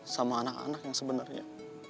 sama anak anak yang sebenarnya